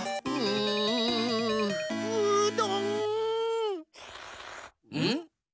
うん⁉うん。